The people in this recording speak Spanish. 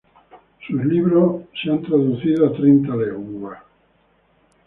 Sus libros han sido traducidos a treinta lenguas.